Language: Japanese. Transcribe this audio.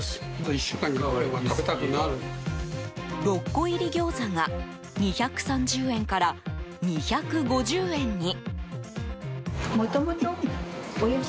６個入り餃子が２３０円から２５０円に。